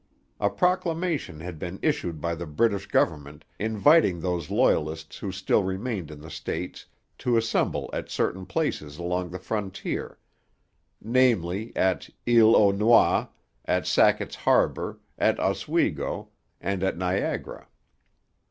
A proclamation had been issued by the British government inviting those Loyalists who still remained in the States to assemble at certain places along the frontier, namely, at Isle aux Noix, at Sackett's Harbour, at Oswego, and at Niagara.